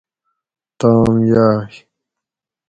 تام یاۤئے